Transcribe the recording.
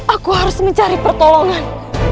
aku harus mencari pertolongan